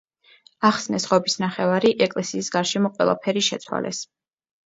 ახსნეს ღობის ნახევარი, ეკლესიის გარშემო ყველაფერი შეცვალეს.